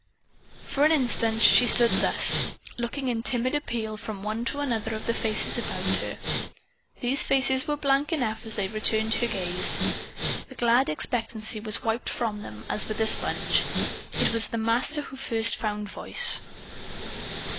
For an instant she stood thus, looking in timid appeal from one to another of the faces about her. These faces were blank enough as they returned her gaze. The glad expectancy was wiped from them as with a sponge. It was the Master who first found voice.